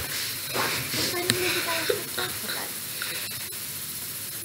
Sut maen nhw'n mynd i gael y ffrwythau, tybed?